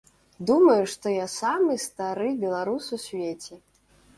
Думаю, што я самы стары беларус у свеце.